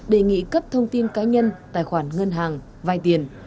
đề nghị cấp thông tin cá nhân tài khoản ngân hàng vai tiền